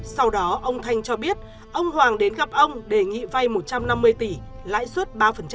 sau đó ông thanh cho biết ông hoàng đến gặp ông đề nghị vay một trăm năm mươi tỷ lãi suất ba